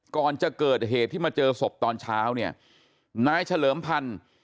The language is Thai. ก่อนจะเกิดเหตุที่มาเจอศพตอนเช้าเนี่ยนายเฉลิมพันธุ์